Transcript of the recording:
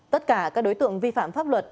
tất cả các đối tượng vi phạm pháp luật